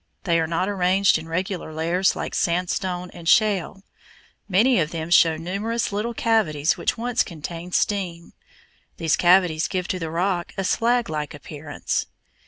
They are not arranged in regular layers like sandstone and shale; many of them show numerous little cavities which once contained steam. These cavities give to the rock a slag like appearance.